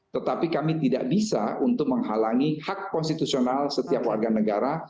tetapi kami tidak bisa untuk menghalangi hak konstitusional setiap warga negara